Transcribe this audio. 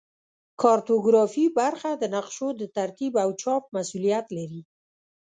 کارتوګرافي برخه د نقشو د ترتیب او چاپ مسوولیت لري